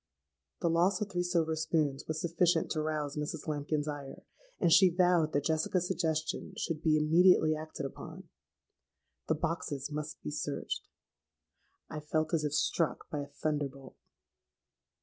'—The loss of three silver spoons was sufficient to rouse Mrs. Lambkin's ire; and she vowed that Jessica's suggestion should be immediately acted upon. The boxes must be searched. I felt as if struck by a thunderbolt.